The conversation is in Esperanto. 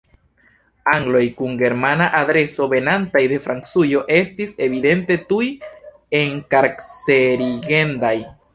Angloj kun Germana adreso venantaj de Francujo estis evidente tuj enkarcerigendaj.